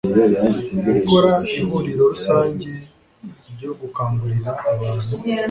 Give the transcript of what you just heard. gukora ihuriro rusange ryo gukangurira abantu